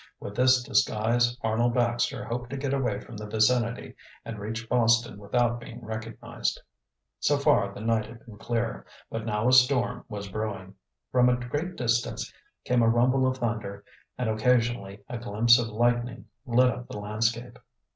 With this disguise Arnold Baxter hoped to get away from the vicinity and reach Boston without being recognized. So far the night had been clear, but now a storm was brewing. From a great distance came a rumble of thunder and occasionally a glimpse of lightning lit up the landscape.